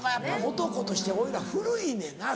男として俺ら古いねんな。